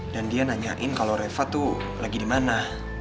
dan dia nanyain kalo reva tuh lagi dimana